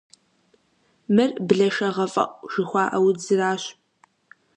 Мыр блэшэгъэфӏэӏу жыхуаӏэ удзращ.